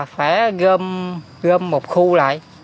phải gom một khu lại